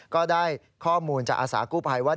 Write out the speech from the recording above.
ก็ได้ข้อมูลจากอาสากู้ภัยว่า